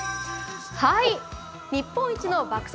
日本一の爆速